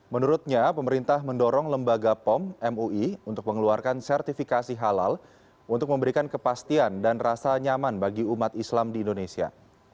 menurutnya pemerintah mendorong lembaga pom mui untuk mengeluarkan sertifikasi halal untuk memberikan kepastian dan rasa nyaman bagi umat islam di indonesia